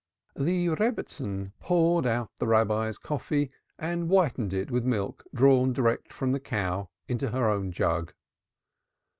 The Rebbitzin poured out the Rabbi's coffee and whitened it with milk drawn direct from the cow into her own jug.